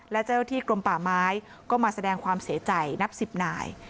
และเจ้าที่กรมป่าไม้ก็มาแสดงความเสียใจนับ๑๐นาย